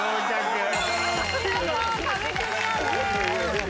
見事壁クリアです。